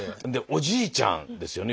おじいちゃんですよね